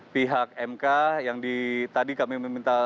pihak mk yang tadi kami meminta